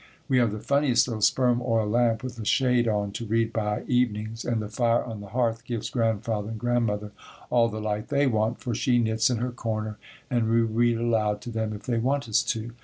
We have the funniest little sperm oil lamp with a shade on to read by evenings and the fire on the hearth gives Grandfather and Grandmother all the light they want, for she knits in her corner and we read aloud to them if they want us to.